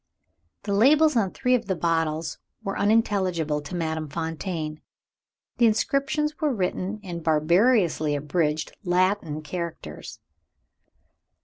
The labels on three of the bottles were unintelligible to Madame Fontaine; the inscriptions were written in barbarously abridged Latin characters.